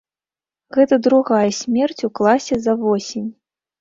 Гэта другая смерць у класе за восень.